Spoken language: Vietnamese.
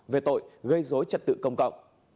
về tội gây dối trật tự công cộng